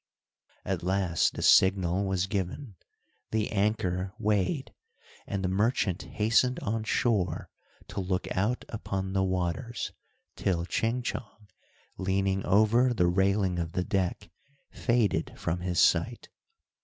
At last the signal was given, the anchor weighed, and the merchant hastened on shore, to look out upon the waters, till Ching Chong, leaning over the railing of the deck, faded from his sight.